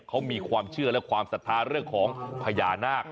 เขามีความเชื่อและความศรัทธาเรื่องของพญานาค